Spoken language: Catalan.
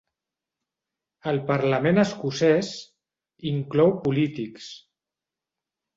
El parlament escocès inclou polítics.